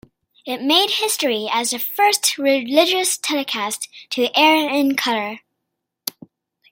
It made history as the first religious telecast to air in color.